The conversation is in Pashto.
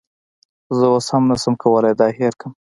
زه اوس هم نشم کولی دا هیر کړم